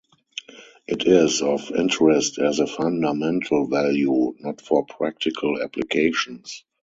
It is of interest as a fundamental value, not for practical applications.